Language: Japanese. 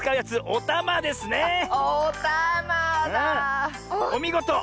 おみごと！